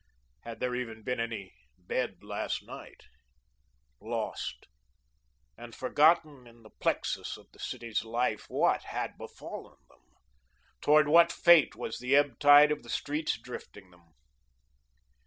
Had there even been any bed last night? Lost, and forgotten in the plexus of the city's life, what had befallen them? Towards what fate was the ebb tide of the streets drifting them?